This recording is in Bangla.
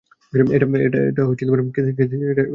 এটা খেতে তো বেশ ভালোই।